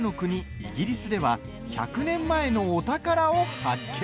イギリスでは１００年前のお宝を発見！